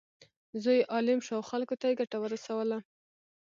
زوی یې عالم شو او خلکو ته یې ګټه ورسوله.